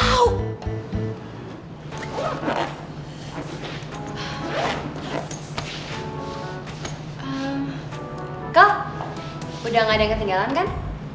eh kok udah gak ada yang ketinggalan kan